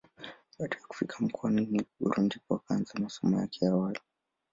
Baada ya kufika mkoani Morogoro ndipo akaanza masomo yake ya awali.